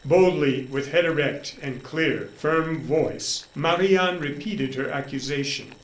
Boldly, with head erect, and clear, firm voice, Marie Anne repeated her accusation.